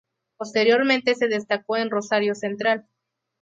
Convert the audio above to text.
Posteriormente se destacó en Rosario Central.